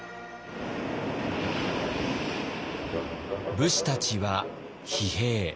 武士たちは疲弊。